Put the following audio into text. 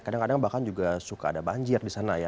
kadang kadang bahkan juga suka ada banjir di sana ya